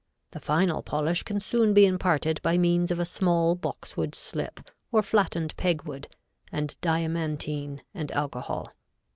The final polish can soon be imparted by means of a small boxwood slip, or flattened peg wood, and diamantine and alcohol.